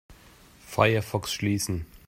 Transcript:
Firefox schließen.